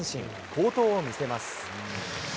好投を見せます。